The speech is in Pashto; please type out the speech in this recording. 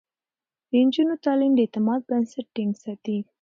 د نجونو تعليم د اعتماد بنسټ ټينګ ساتي.